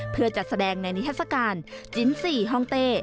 เพื่อจัดแสดงในนิทัศกาลจิ้น๔ห้องเต้